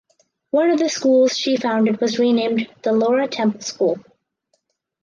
One of the schools she founded was renamed the Laura Temple School.